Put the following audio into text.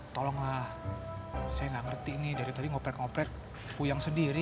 tolonglah saya nggak ngerti nih dari tadi ngoprek ngoprek puyang sendiri